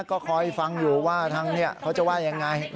ก็คอยฟังอยู่ว่าทางนี้เขาจะว่ายังไง